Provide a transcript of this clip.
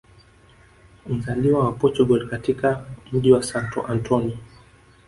Mzaliwa wa portugal katika mji wa Santo Antonio